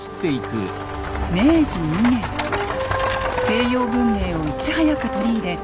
西洋文明をいち早く取り入れ